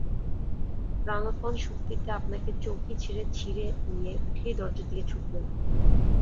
প্রাণপণ শক্তিতে আপনাকে চৌকি থেকে ছিঁড়ে নিয়ে উঠেই দরজার দিকে ছুটলুম।